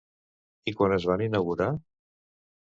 I quan es van inaugurar?